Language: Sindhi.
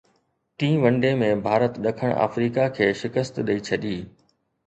ٽين ون ڊي ۾ ڀارت ڏکڻ آفريڪا کي شڪست ڏئي ڇڏي